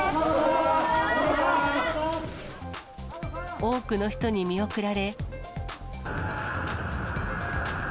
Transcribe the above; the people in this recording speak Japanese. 多くの人に見送られ。